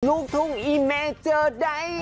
ลูกทุ่งอีเมเจอใด